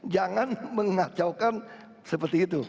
jangan mengacaukan seperti itu